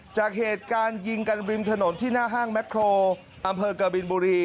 จากเหตุการณ์ยิงกันริมถนนที่หน้าห้างแมคโครอำเภอกบินบุรี